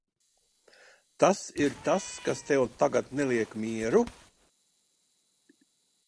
Tas ir tas, kas tev tagad neliek mieru?